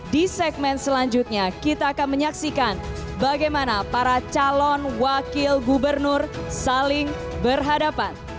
di segmen selanjutnya kita akan menyaksikan bagaimana para calon wakil gubernur saling berhadapan